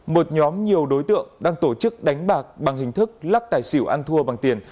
một nhóm nhiều đối tượng đang tổ chức đánh bạc bằng hình thức lắc tài xỉu ăn thua bằng tiền